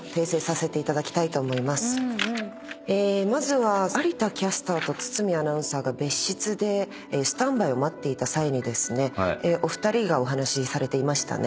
まずは有田キャスターと堤アナウンサーが別室でスタンバイを待っていた際にですねお二人お話しされていましたね。